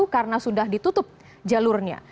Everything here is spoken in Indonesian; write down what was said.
karena sudah ditutup jalurnya